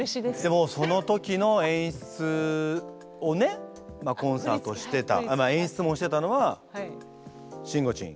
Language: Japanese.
でもその時の演出をねコンサートをしてた演出もしてたのはしんごちん。